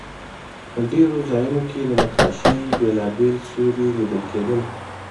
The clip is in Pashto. په ډېرو ځایونو کې د نقاشۍ بېلابېل سیوري لیدل کېدل.